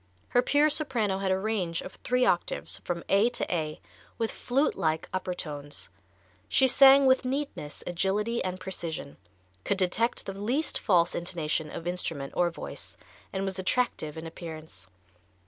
Her pure soprano had a range of three octaves, from A to A, with flute like upper tones. She sang with neatness, agility and precision, could detect the least false intonation of instrument or voice, and was attractive in appearance.